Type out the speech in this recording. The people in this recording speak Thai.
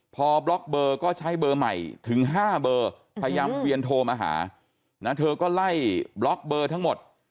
พอบล็อกเบอร์ก็ใช้เบอร์ใหม่ถึง๕เบอร์พยายามเวียนโทรมาหานะเธอก็ไล่บล็อกเบอร์ทั้งหมด